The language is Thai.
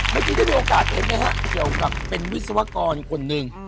เมื่อกี้ได้มีโอกาสเห็นไหมฮะเกี่ยวกับเป็นวิศวกรคนหนึ่ง